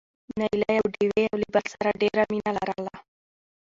نايلې او ډوېوې يو له بل سره ډېره مينه لرله.